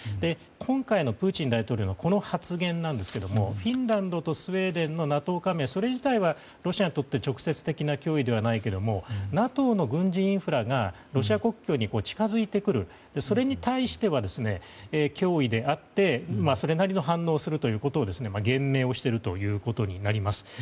今回のプーチン大統領のこの発言ですけどフィンランドとスウェーデンのＮＡＴＯ加盟それ自体はロシアにとって直接的な脅威ではないけどもＮＡＴＯの軍事インフラがロシア国境に近づいてくる、それに対しては脅威であって、それなりの反応をするということを言明をしていることになります。